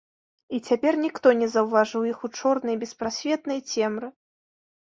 І цяпер ніхто не заўважыў іх у чорнай беспрасветнай цемры.